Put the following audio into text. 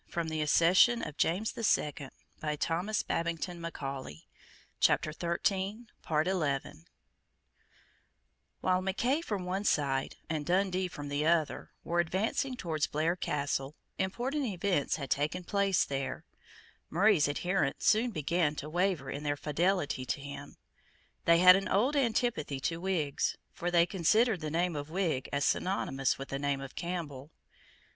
It was now evident that whatever was done for his cause in Scotland must be done by Scottish hands, While Mackay from one side, and Dundee from the other, were advancing towards Blair Castle, important events had taken place there. Murray's adherents soon began to waver in their fidelity to him. They had an old antipathy to Whigs; for they considered the name of Whig as synonymous with the name of Campbell.